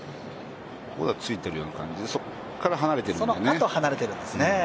ここはついてるような感じでそこから離れてるんですね。